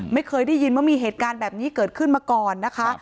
ไม่เคยได้ยินว่ามีเหตุการณ์แบบนี้เกิดขึ้นมาก่อนนะคะ